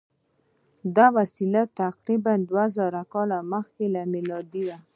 دا وسیله تقریبآ دوه زره کاله مخکې له میلاده وه.